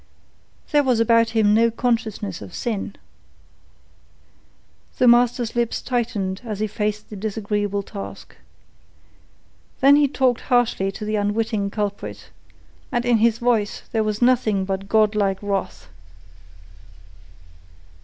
There was about him no consciousness of sin. The master's lips tightened as he faced the disagreeable task. Then he talked harshly to the unwitting culprit, and in his voice there was nothing but godlike wrath.